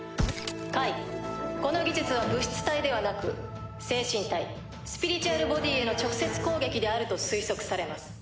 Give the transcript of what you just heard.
解この技術は物質体ではなく精神体スピリチュアル・ボディーへの直接攻撃であると推測されます。